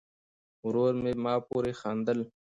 ورور مې په ما پورې خندل.